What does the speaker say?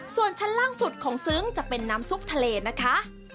ส่วนชั้นล่างสุดของซึ้งจะเป็นน้ำซุปทะเลนะคะ